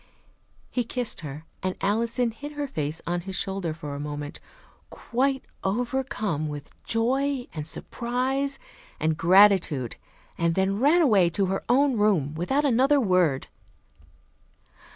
He kissed her, and Alison hid her face on his shoulder for a moment, quite overcome with joy and surprise and gratitude, and then ran away to her own room without another word.